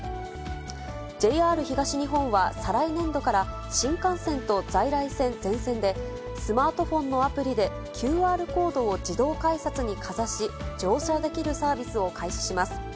ＪＲ東日本は再来年度から、新幹線と在来線全線で、スマートフォンのアプリでＱＲコードを自動改札にかざし、乗車できるサービスを開始します。